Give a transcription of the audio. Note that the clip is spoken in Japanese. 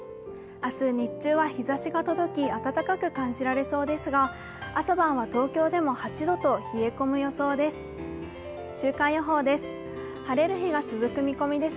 明日、日中は日ざしが届き暖かく感じられそうですが朝晩は東京でも８度と冷え込む予想です。